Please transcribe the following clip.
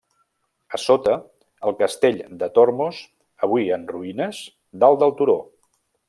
A sota, el castell de Tormos, avui en ruïnes, dalt del turó.